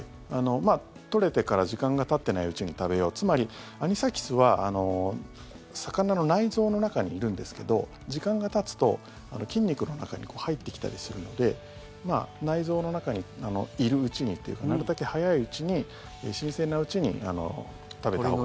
取れてから時間がたってないうちに食べようつまりアニサキスは魚の内臓の中にいるんですけど時間がたつと筋肉の中に入ってきたりするので内臓の中にいるうちにというかなるたけ早いうちに新鮮なうちに食べたほうが。